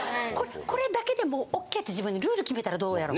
これだけでもうＯＫって自分でルール決めたらどうやろか。